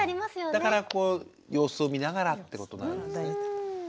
だからこう様子を見ながらってことなんですね。